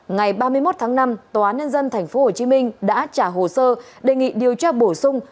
ngày ba mươi một tháng năm tòa án nhân dân tp hcm đã trả hồ sơ đề nghị điều tra bổ sung